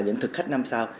những thực khách năm sao